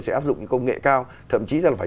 sẽ áp dụng những công nghệ cao thậm chí là phải